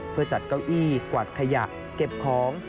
เพื่อจัดเก้าอี้กวาดขยะเก็บของ